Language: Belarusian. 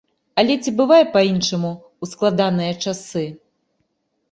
Але ці бывае па-іншаму ў складаныя часы?